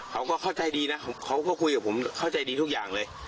เขาก็เข้าใจดีนะเขาก็คุยกับผมเข้าใจดีทุกอย่างเลย